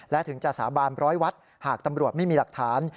และถึงจะสาบานร้อยวัดหากตำรวจไม่มีหลักฐาน